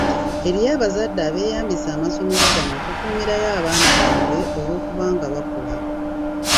Eriyo n’abazadde abeeyambisa amasomero gano okukuumirayo abaana baabwe olw’okuba nga bakola.